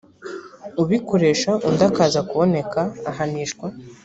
ubikoresha undi akaza kuboneka ahanishwa